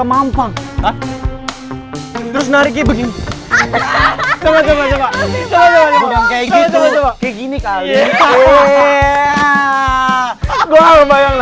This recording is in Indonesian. gampang terus narik begini kayak gini kali gua ngobrol nadif juga juga begini